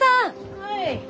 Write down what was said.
・はい！